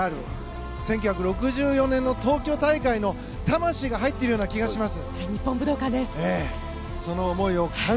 １９６４年の東京大会の魂が入っている気がします。